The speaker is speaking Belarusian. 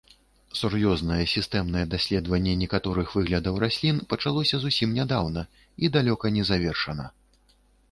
Сур'ёзнае, сістэмнае даследаванне некаторых выглядаў раслін пачалося зусім нядаўна і далёка не завершана.